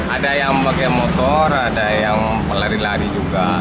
ada yang pakai motor ada yang pelari lari juga